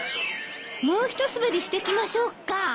もうひと滑りしてきましょうか。